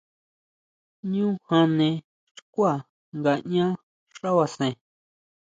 Ñu jane xkuá nga ñaʼán xábasen.